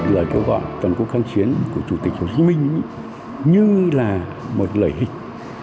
lời kêu gọi toàn quốc kháng chiến của chủ tịch hồ chí minh như là một lời hình